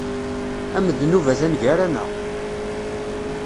Amednub atan gar-aneɣ.